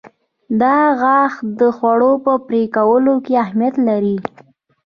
دا غاښه د خوړو په پرې کولو کې اهمیت لري.